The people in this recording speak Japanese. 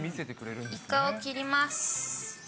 イカを切ります。